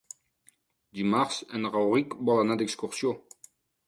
Dimarts en Rauric vol anar d'excursió.